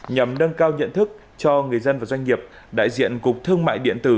nhằm nâng cao nhận thức cho người dân và doanh nghiệp đại diện cục thương mại điện tử